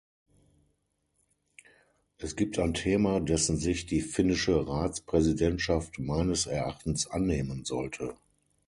Es gibt ein Thema, dessen sich die finnische Ratspräsidentschaft meines Erachtens annehmen sollte.